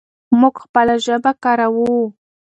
موږ خپله ژبه کاروو.